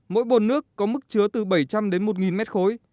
mỗi bồn nước có mức chứa từ bảy trăm linh đến một mét khối